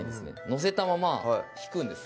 載せたまま引くんです